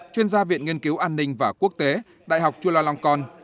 chuyên gia viện nghiên cứu an ninh và quốc tế đại học chulalongkorn